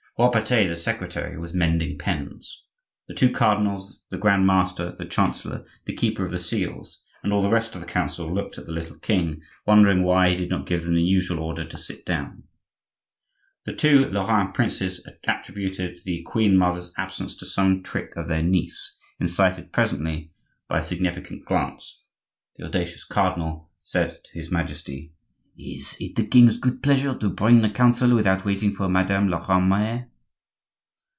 Robertet, the secretary, was mending pens. The two cardinals, the grand master, the chancellor, the keeper of the seals, and all the rest of the council looked at the little king, wondering why he did not give them the usual order to sit down. The two Lorrain princes attributed the queen mother's absence to some trick of their niece. Incited presently by a significant glance, the audacious cardinal said to his Majesty:— "Is it the king's good pleasure to begin the council without waiting for Madame la reine mere?"